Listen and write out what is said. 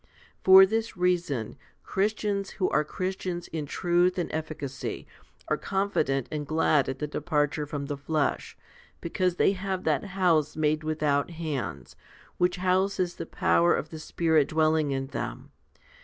For this reason, Christians who are Christians in truth and efficacy are confident and glad at departure from the flesh, because they have that house made without hands, which house is the power of the Spirit dwelling in them.